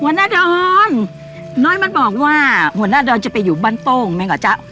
หน้าดอนน้อยมันบอกว่าหัวหน้าดอนจะไปอยู่บ้านโต้งแม่งเหรอจ๊ะ